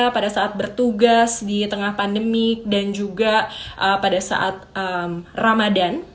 pada saat bertugas di tengah pandemi dan juga pada saat ramadan